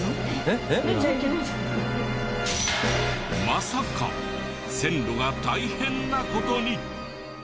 まさか線路が大変な事に！